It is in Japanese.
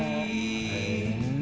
へえ。